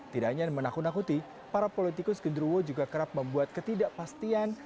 tidak hanya menakut nakuti para politikus gendruwo juga kerap membuat ketidakpastian